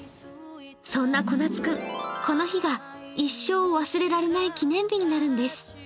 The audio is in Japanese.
そんなこなつ君、この日が一生忘れられない記念日になるんです。